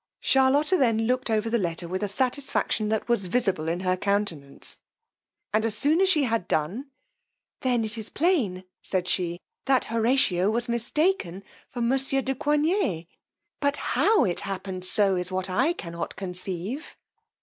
Charlotta then looked over the letter with a satisfaction that was visible in her countenance; and as soon as she had done, then it is plain, said she, that Horatio was mistaken for monsieur de Coigney: but how it happened so is what I cannot conceive.